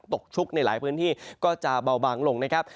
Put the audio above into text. ตกชุกในหลายพื้นที่ก็จะเบาบางลงนะครับ